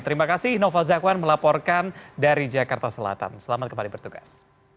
terima kasih noval zakwan melaporkan dari jakarta selatan selamat kembali bertugas